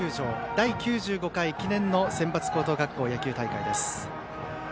第９５回記念のセンバツ高等学校野球大会です。